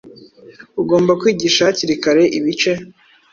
ugomba kwigisha hakiri kare ibice